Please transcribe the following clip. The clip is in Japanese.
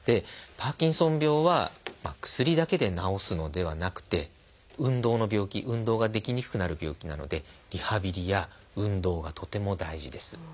パーキンソン病は薬だけで治すのではなくて運動の病気運動ができにくくなる病気なのでリハビリや運動がとても大事です。